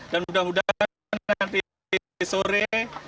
dan mudah mudahan nanti sore